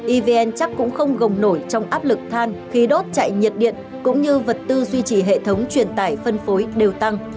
evn chắc cũng không gồng nổi trong áp lực than khí đốt chạy nhiệt điện cũng như vật tư duy trì hệ thống truyền tải phân phối đều tăng